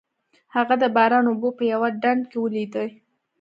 هغه د باران اوبه په یوه ډنډ کې ولیدې.